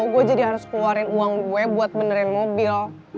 gue jadi harus keluarin uang gue buat benerin mobil